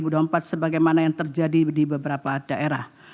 dan bagaimana yang terjadi di beberapa daerah